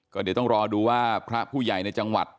ก็เดี๋ยวต้องรอดูว่าพระผู้ใหญ่ในจังหวัด